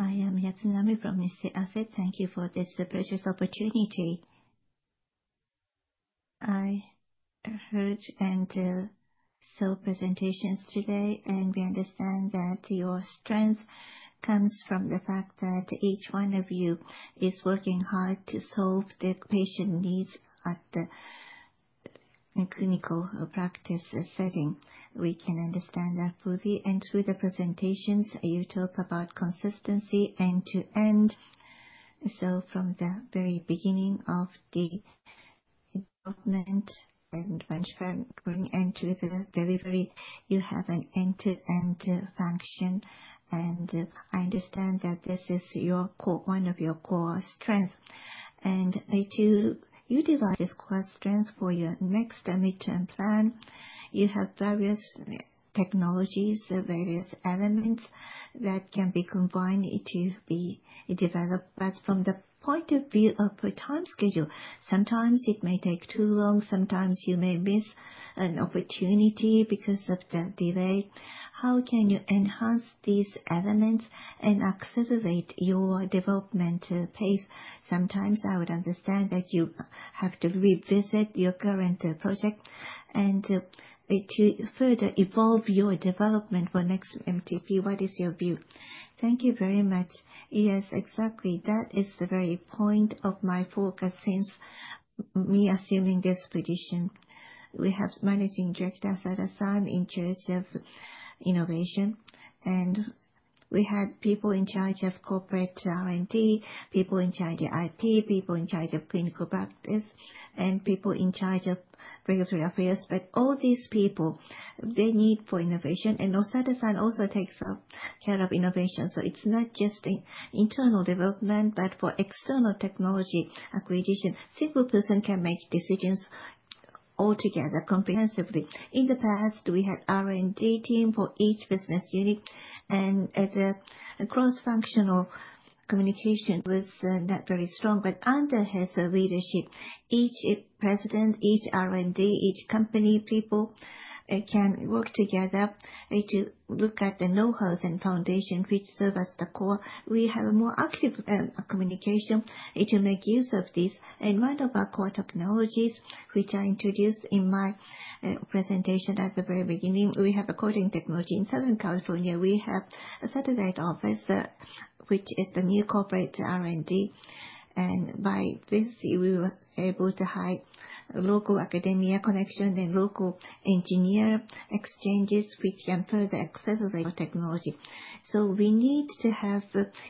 I am Yatsunami from SMBC Asset. Thank you for this precious opportunity. I heard and saw presentations today. We understand that your strength comes from the fact that each one of you is working hard to solve the patient needs at the clinical practice setting. We can understand that fully. Through the presentations, you talk about consistency end-to-end. From the very beginning of the involvement and when entering into the delivery, you have an end-to-end function, and I understand that this is one of your core strengths. To utilize this core strength for your next mid-term plan, you have various technologies, various elements that can be combined to be developed. From the point of view of the time schedule, sometimes it may take too long, sometimes you may miss an opportunity because of the delay. How can you enhance these elements and accelerate your development pace? Sometimes I would understand that you have to revisit your current project and to further evolve your development for next MTP. What is your view? Thank you very much. Yes, exactly. That is the very point of my focus since me assuming this position. We have Managing Director Asada in charge of innovation, we had people in charge of corporate R&D, people in charge of IP, people in charge of clinical practice, and people in charge of regulatory affairs. All these people, they need for innovation. Asada also takes care of innovation. It's not just internal development, but for external technology acquisition, single person can make decisions all together comprehensively. In the past, we had R&D team for each business unit, the cross-functional communication was not very strong. Under his leadership, each president, each R&D, each company, people can work together to look at the knowhows and foundation, which serve as the core. We have a more active communication to make use of this. One of our core technologies, which I introduced in my presentation at the very beginning, we have a coating technology. In Southern California, we have a satellite office, which is the new corporate R&D. By this, we were able to hire local academia connection and local engineer exchanges, which can further accelerate our technology. We need to have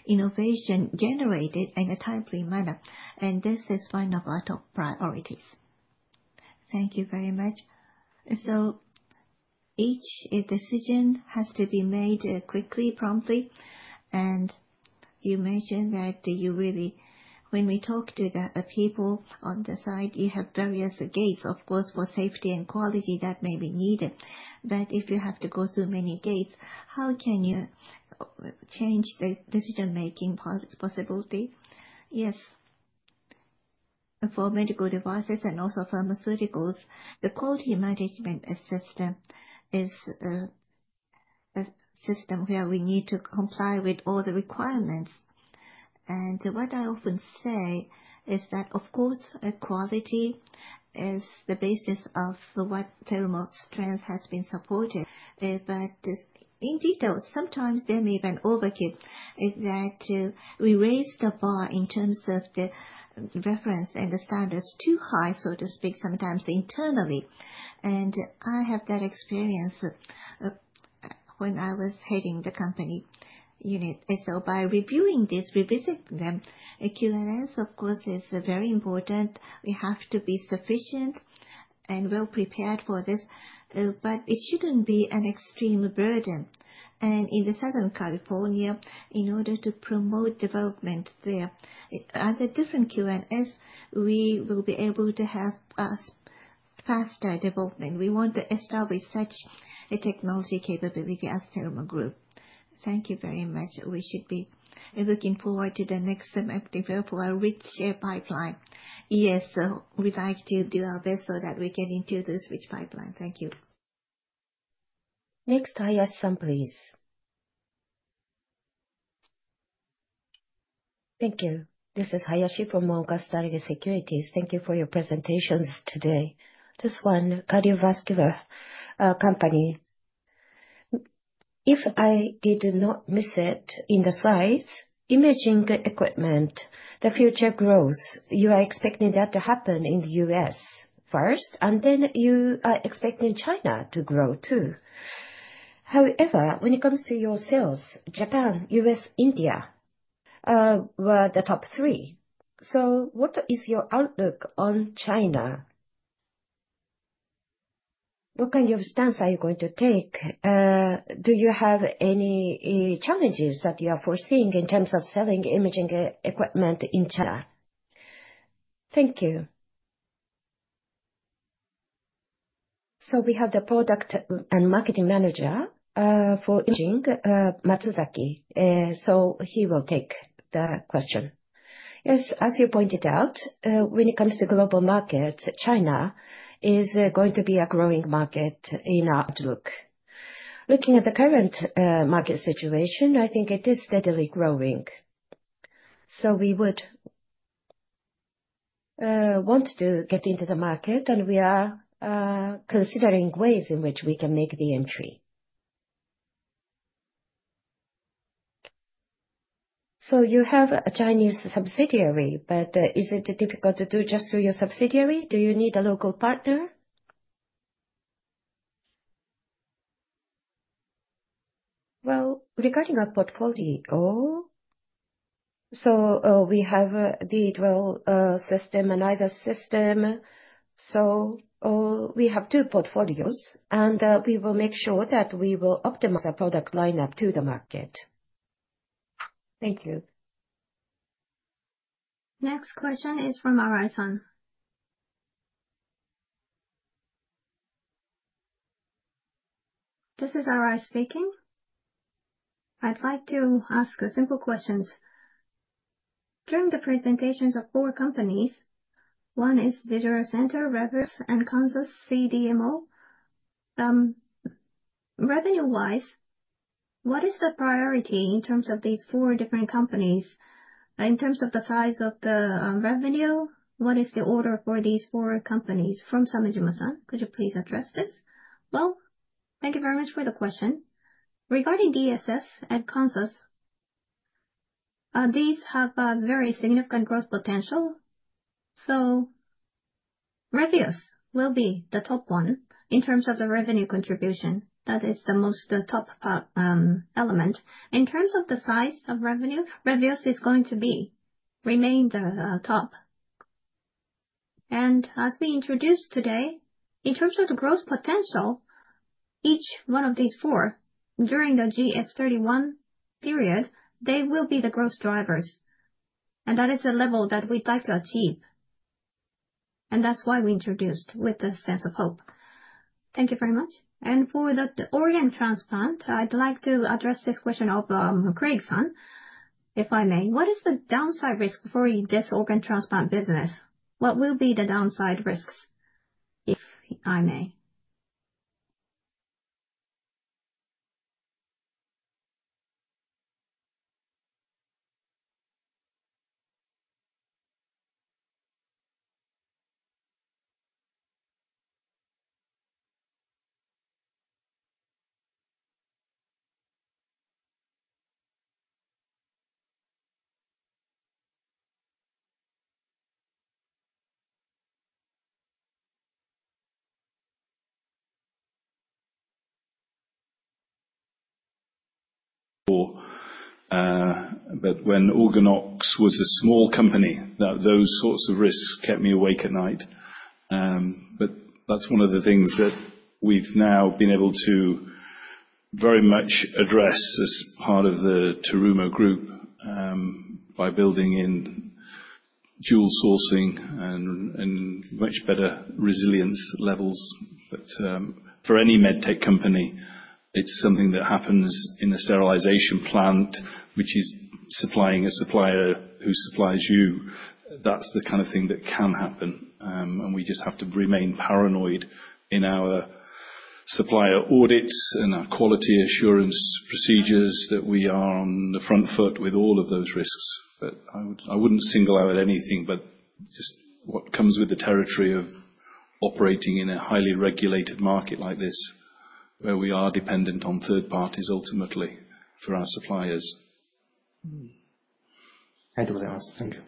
innovation generated in a timely manner, and this is one of our top priorities. Thank you very much. Each decision has to be made quickly, promptly. You mentioned that when we talk to the people on the side, you have various gates, of course, for safety and quality that may be needed. If you have to go through many gates, how can you change the decision-making possibility? Yes. For medical devices and also pharmaceuticals, the quality management system is a system where we need to comply with all the requirements. What I often say is that, of course, quality is the basis of what Terumo's strength has been supported. In detail, sometimes there may be an overkill, is that we raise the bar in terms of the reference and the standards too high, so to speak, sometimes internally. I have that experience when I was heading the company unit. By reviewing this, revisiting them. QMS, of course, is very important. We have to be sufficient and well prepared for this, but it shouldn't be an extreme burden. In Southern California, in order to promote development there, under different QMS, we will be able to have a faster development. We want to establish such a technology capability as Terumo Group. Thank you very much. We should be looking forward to the next MTP for a rich pipeline. Yes. We'd like to do our best so that we get into this rich pipeline. Thank you. Next, Hayashi, please. Thank you. This is Hayashi from Morgan Stanley Securities. Thank you for your presentations today. Just one cardiovascular company. If I did not miss it in the slides, imaging the equipment, the future growth, you are expecting that to happen in the U.S. first, and then you are expecting China to grow, too. However, when it comes to your sales, Japan, U.S., India, were the top three. What is your outlook on China? What kind of stance are you going to take? Do you have any challenges that you are foreseeing in terms of selling imaging equipment in China? Thank you. We have the product and marketing manager for imaging, Matsuzaki. He will take the question. Yes, as you pointed out, when it comes to global markets, China is going to be a growing market in outlook. Looking at the current market situation, I think it is steadily growing. We would want to get into the market, and we are considering ways in which we can make the entry. You have a Chinese subsidiary, but is it difficult to do just through your subsidiary? Do you need a local partner? Regarding our portfolio, we have the 12 system and Medius system. We have two portfolios, and we will make sure that we will optimize our product line-up to the market. Thank you. Next question is from Ari Son. This is Ari speaking. I'd like to ask simple questions. During the presentations of four companies, one is Data Center, Revus, and Kanshas CDMO. Revenue-wise, what is the priority in terms of these four different companies? In terms of the size of the revenue, what is the order for these four companies? From Samejima-san, could you please address this? Thank you very much for the question. Regarding OPUSWAVE at Kanshas, these have a very significant growth potential. Revus will be the top one in terms of the revenue contribution. That is the top element. In terms of the size of revenue, Revus is going to remain the top. And as we introduced today, in terms of the growth potential, each one of these four, during the GS31 period, they will be the growth drivers. And that is a level that we'd like to achieve. And that's why we introduced with a sense of HMP. Thank you very much. For the organ transplant, I'd like to address this question of Craig-san, if I may. What is the downside risk for this organ transplant business? What will be the downside risks, if I may? When OrganOx was a small company, those sorts of risks kept me awake at night. That's one of the things that we've now been able to very much address as part of the Terumo Group, by building in dual sourcing and much better resilience levels. For any med tech company, it's something that happens in a sterilization plant, which is supplying a supplier who supplies you. That's the kind of thing that can happen, and we just have to remain paranoid in our supplier audits and our quality assurance procedures that we are on the front foot with all of those risks. I wouldn't single out anything, but just what comes with the territory of operating in a highly regulated market like this, where we are dependent on third parties, ultimately, for our suppliers. Thank you.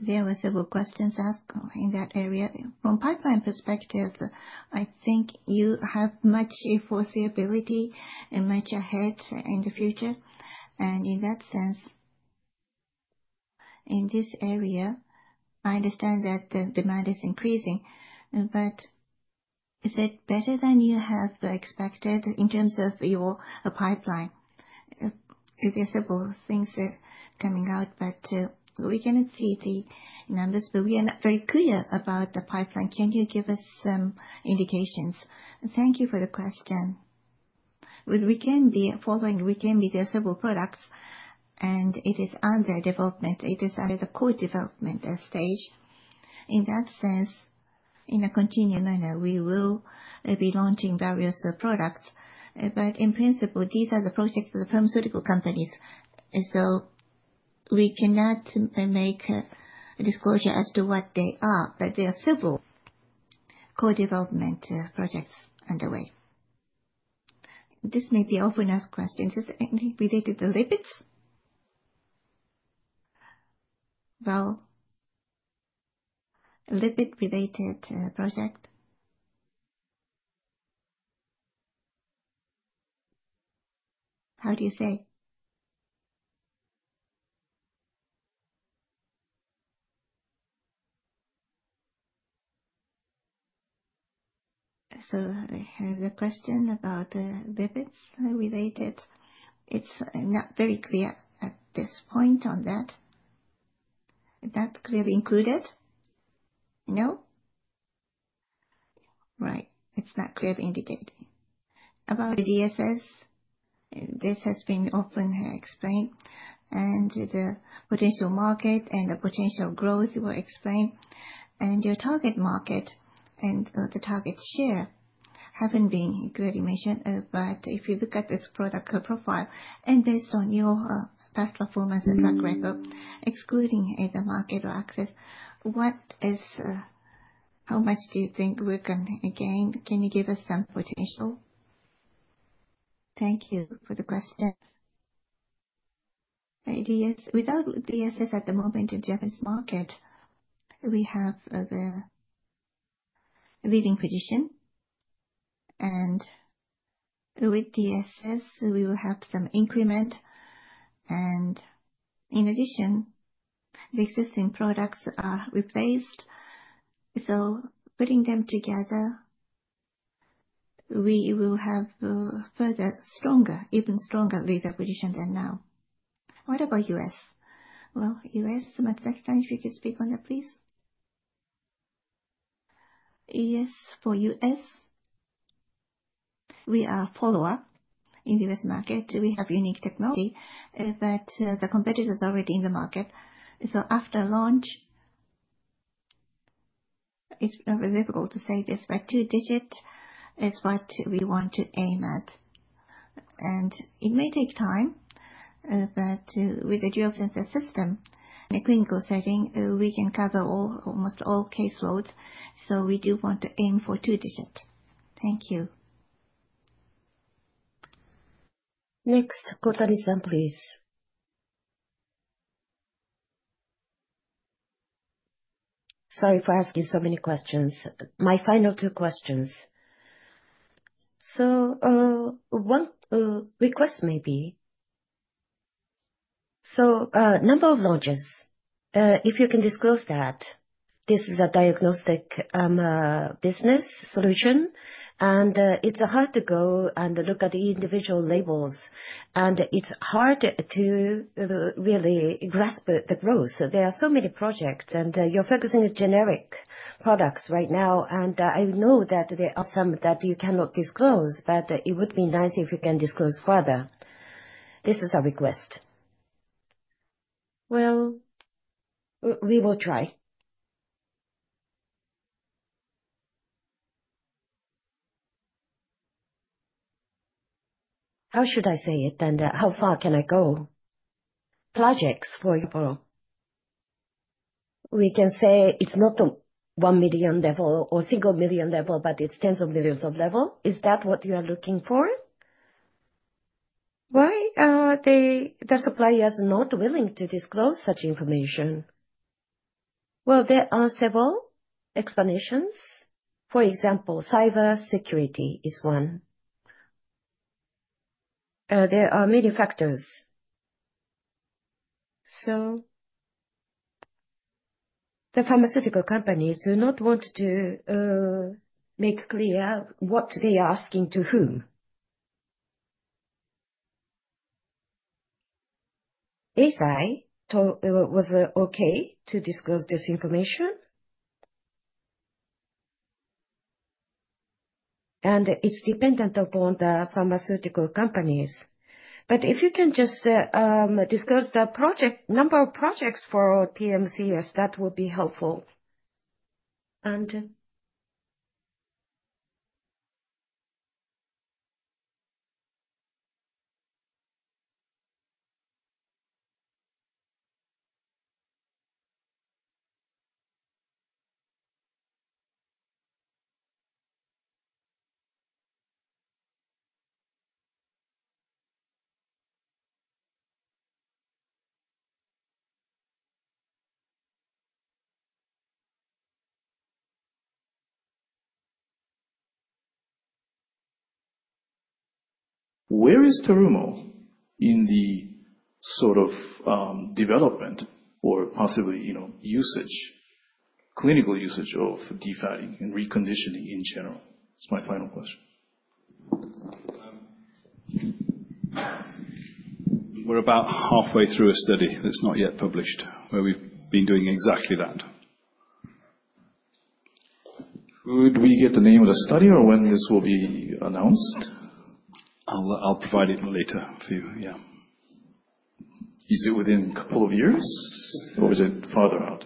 There were several questions asked in that area. From pipeline perspective, I think you have much foreseeability and much ahead in the future. In that sense, in this area, I understand that the demand is increasing. Is it better than you have expected in terms of your pipeline? There's several things coming out, but we cannot see the numbers. We are not very clear about the pipeline. Can you give us some indications? Thank you for the question. With RIKEN being involved, RIKEN made several products, and it is under development. It is under the co-development stage. In that sense, in a continued manner, we will be launching various products. In principle, these are the projects of the pharmaceutical companies. We cannot make a disclosure as to what they are. There are several co-development projects underway. This may be an often asked question. Is there anything related to lipids? Well, lipid-related project. How do you say? I have the question about the Vivit-related. It's not very clear at this point on that. Is that clearly included? No? Right. It's not clearly indicated. About the OPUSWAVE, this has been often explained, and the potential market and the potential growth were explained. Your target market and the target share haven't been clearly mentioned. If you look at this product profile, and based on your past performance and track record, excluding the market access, how much do you think we can gain? Can you give us some potential? Thank you for the question. Without OPUSWAVE at the moment, in Japanese market, we have the leading position. With OPUSWAVE, we will have some increment. In addition, the existing products are replaced. Putting them together, we will have even stronger leader position than now. What about U.S.? Well, U.S., Matsuoka-san, if you could speak on that, please. Yes, for U.S., we are follower in the U.S. market. We have unique technology, but the competitor's already in the market. After launch, it's very difficult to say this, but two-digit is what we want to aim at. It may take time, but with the geo-fencing system and the clinical setting, we can cover almost all case loads. We do want to aim for two-digit. Thank you. Next, Kotari-san, please. Sorry for asking so many questions. My final two questions. One request maybe. Number of launches, if you can disclose that. This is a diagnostic business solution, and it's hard to go and look at the individual labels, and it's hard to really grasp the growth. There are so many projects, and you're focusing on generic products right now. I know that there are some that you cannot disclose, but it would be nice if you can disclose further. This is a request. Well, we will try. How should I say it, how far can I go? Projects, for example. We can say it's not a 1 million level or single million level, but it's tens of millions of level. Is that what you are looking for? Why are the suppliers not willing to disclose such information? Well, there are several explanations. For example, cybersecurity is one. There are many factors. The pharmaceutical companies do not want to make clear what they are asking to whom? If I was okay to disclose this information, and it's dependent upon the pharmaceutical companies. If you can just disclose the number of projects for PMCs, that would be helpful. And Where is Terumo in the sort of development or possibly clinical usage of defatting and reconditioning in general? That's my final question. We're about halfway through a study that's not yet published, where we've been doing exactly that. Could we get the name of the study or when this will be announced? I'll provide it later for you. Yeah. Is it within a couple of years, or is it farther out?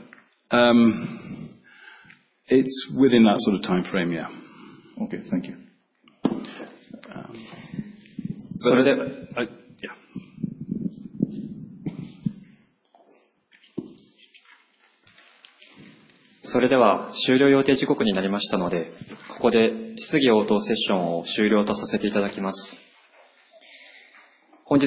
It's within that sort of timeframe. Yeah. Okay. Thank you. Yeah. それでは最後に、CFO萩本よりクロージングのご挨拶を行います。萩本さん、よろしくお願いします。はい。CFOの萩本です。This is Hagimoto speaking, Terumo CFO. Today,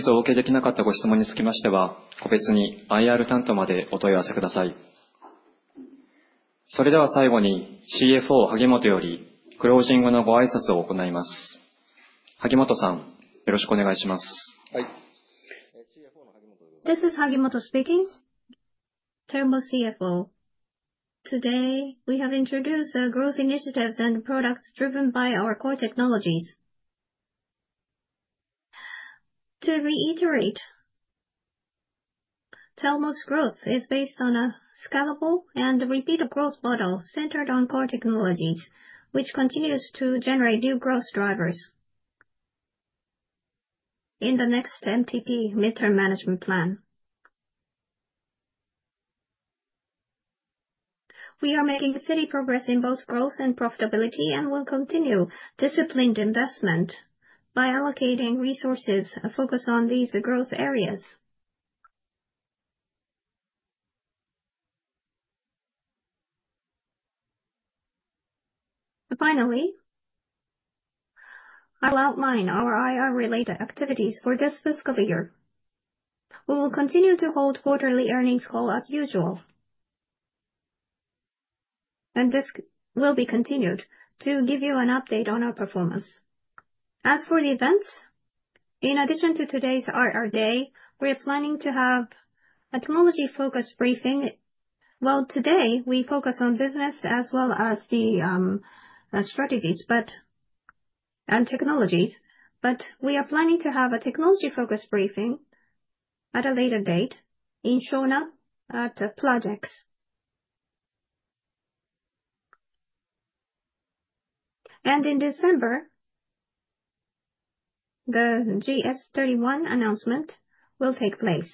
we have introduced our growth initiatives and products driven by our core technologies. To reiterate, Terumo's growth is based on a scalable and repeatable growth model centered on core technologies, which continues to generate new growth drivers in the next MTP, Midterm Management Plan. We are making steady progress in both growth and profitability and will continue disciplined investment by allocating resources and focus on these growth areas. Finally, I will outline our IR-related activities for this fiscal year. We will continue to hold quarterly earnings calls as usual. This will be continued to give you an update on our performance. As for the events, in addition to today's IR Day, we are planning to have a technology-focused briefing. Today, we focused on business as well as the strategies and technologies, but we are planning to have a technology-focused briefing at a later date in Shonan at PLAJEX. In December, the GS31 announcement will take place,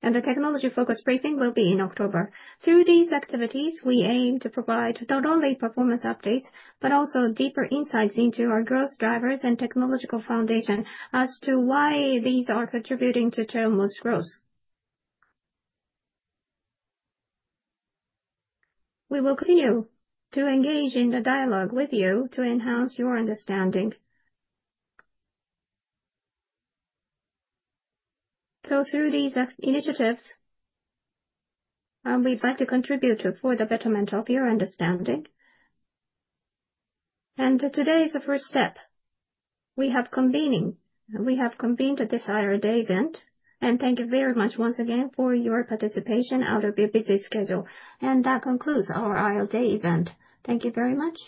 and the technology-focused briefing will be in October. Through these activities, we aim to provide not only performance updates, but also deeper insights into our growth drivers and technological foundation as to why these are contributing to Terumo's growth. We will continue to engage in dialogue with you to enhance your understanding. Through these initiatives, we'd like to contribute for the betterment of your understanding. Today is the first step. We have convened this IR Day event, and thank you very much once again for your participation out of your busy schedule. That concludes our IR Day event. Thank you very much